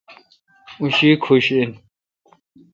اوں شی کھوش این۔